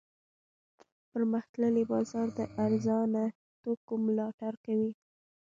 پرمختللی بازار د ارزانه توکو ملاتړ کوي.